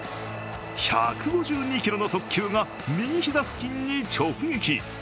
１５２キロの速球が右膝付近に直撃。